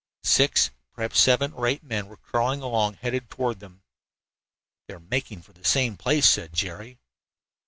Six, perhaps seven or eight, men were crawling along, headed toward them. "They are making for the same place," said Jerry.